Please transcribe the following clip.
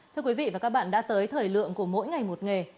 thưa quý vị và các bạn đã tới thời lượng của mỗi ngày một nghề